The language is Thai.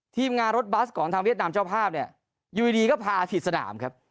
ทีมงานรถบัสของทางเวียดนามเจ้าภาพเนี่ยอยู่ดีก็พาฉีดสนามครับ